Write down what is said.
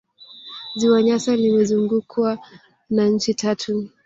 ziwa nyasa limezungukwa na nchi tatu